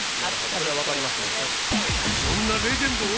それはわかりますね。